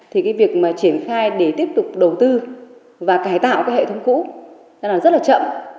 thì việc triển khai để tiếp tục đầu tư và cải tạo hệ thống cũ rất là chậm